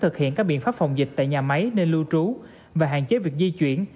thực hiện các biện pháp phòng dịch tại nhà máy nơi lưu trú và hạn chế việc di chuyển